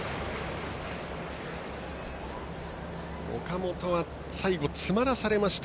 岡本は最後、詰まらされました